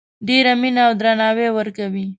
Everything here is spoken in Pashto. ډیره مینه او درناوی ورکوي